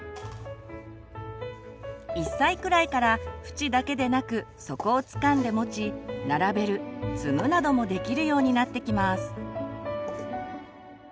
１歳くらいから縁だけでなく底をつかんで持ち並べる積むなどもできるようになってきます。